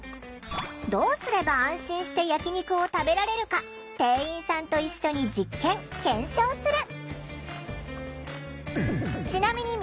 どうすれば安心して焼き肉を食べられるか店員さんと一緒に実験・検証する。